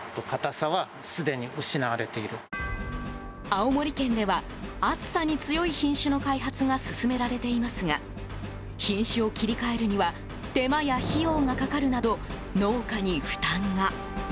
青森県では、暑さに強い品種の開発が進められていますが品種を切り替えるには手間や費用が掛かるなど農家に負担が。